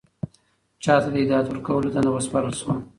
چا ته د هدایت ورکولو دنده وسپارل شوه؟